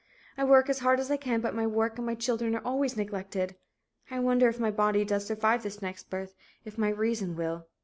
I work as hard as I can but my work and my children are always neglected. I wonder if my body does survive this next birth if my reason will.